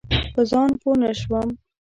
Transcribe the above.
په ځان پوی نه شوم.